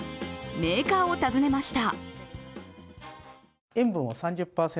メーカーを訪ねました。